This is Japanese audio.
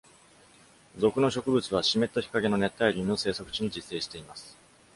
属の植物は、湿った日陰の熱帯林の生息地に自生しています。